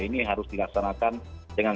ini harus dilaksanakan dengan